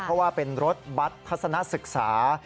เพราะว่าเป็นรถบัตรทัศนศึกษา